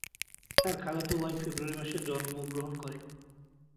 তার খালাতো ভাই ফেব্রুয়ারি মাসে জন্মগ্রহণ করে।